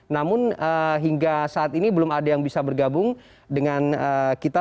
namun hingga saat ini belum ada yang bisa bergabung dengan kita